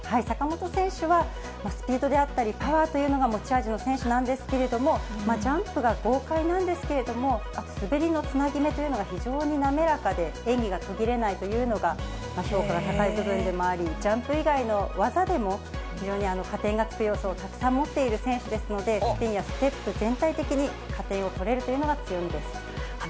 坂本選手はスピードであったり、パワーというのが持ち味の選手なんですけれども、ジャンプが豪快なんですけれども、滑りのつなぎ目というのが非常に滑らかで、演技が途切れないというのが評価が高い部分でもあり、ジャンプ以外の技でも非常に加点がつく要素をたくさん持っている選手ですので、スピンやステップ、全体的に加点を取れるというのが強みです。